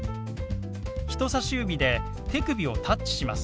人さし指で手首をタッチします。